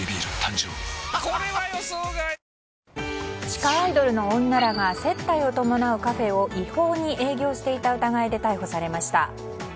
地下アイドルの女らが接待を伴うカフェを違法に営業していた疑いで逮捕されました。